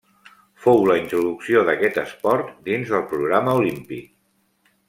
Fou la introducció d'aquest esport dins del programa olímpic.